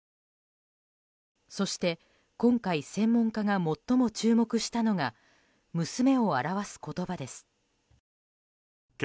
そして今回専門家が最も注目したのが娘を表す言葉です。